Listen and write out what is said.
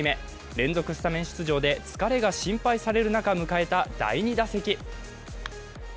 連続スタメン出場で疲れが心配される中、迎えた第２打席。